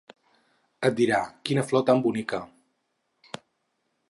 Et dirà: Quina flor tan bonica!